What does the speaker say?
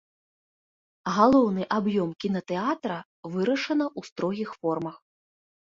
Галоўны аб'ём кінатэатра вырашана ў строгіх формах.